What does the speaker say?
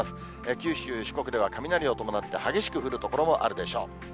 九州、四国では雷を伴って激しく降る所もあるでしょう。